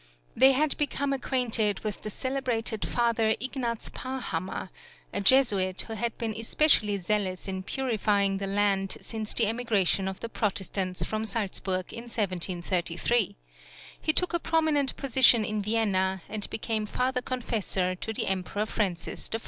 They had become acquainted with the celebrated Father Ign. Parhammer, a Jesuit, who had been especially zealous in purifying the land since the emigration of the Protestants from Salzburg in 1733; he took a prominent position in Vienna, and became father confessor to the Emperor Francis I.